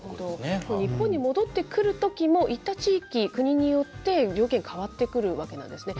日本に戻ってくるときも、行った地域、国によって条件が変わってくるわけなんですね。